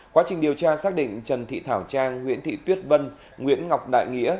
quá trình điều tra xác định trần thị thảo trang nguyễn thị tuyết vân nguyễn ngọc đại nghĩa